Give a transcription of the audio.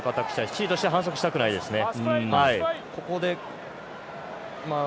チリとしては反則したくないですね。